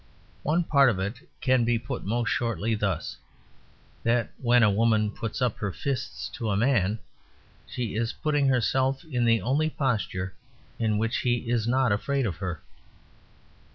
One part of it can be put most shortly thus: that when a woman puts up her fists to a man she is putting herself in the only posture in which he is not afraid of her.